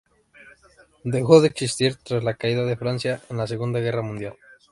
Dejó de existir tras la caída de Francia en la Segunda Guerra Mundial.